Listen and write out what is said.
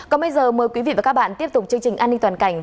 còn bây giờ mời quý vị và các bạn tiếp tục chương trình an ninh toàn cảnh